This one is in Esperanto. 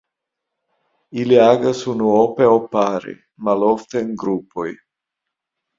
Ili agas unuope aŭ pare, malofte en grupoj.